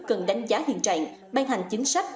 cần đánh giá hiện trạng ban hành chính sách